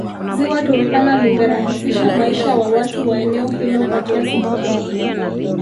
Ziwa Turkana limerahisisha maisha wa watu wa eneo hilo kwa kiasi kikubwa